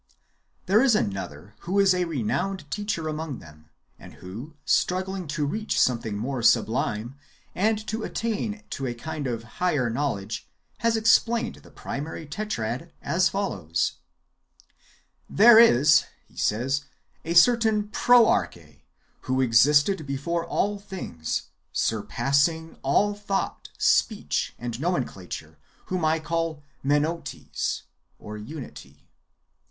There is anotlier,^ who is a renowned teacher among them, and who, struggling to reach something more subhme, and to attain to a kind of higher knowledge, has explained the primary Tetrad as follows : There is [he says] a certain Proarche wdio existed before all things, surpassing all thought, speech, and nomenclature, whom I call ^lonotes (unity).